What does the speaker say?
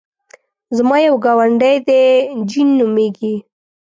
زما یو ګاونډی دی جین نومېږي.